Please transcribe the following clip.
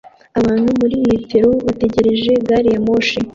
Abantu muri metero bategereje gari ya moshi